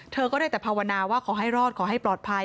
เธอก็ได้แต่ภาวนาว่าขอให้รอดขอให้ปลอดภัย